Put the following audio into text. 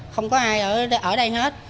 không có ai ở đây hết